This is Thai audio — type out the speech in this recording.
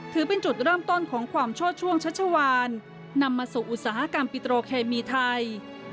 ถือเป็นจุดเริ่มต้นของความโชดช่วงชัชวานนำมาสู่อุตสาหกรรมปิโตรเคมีไทย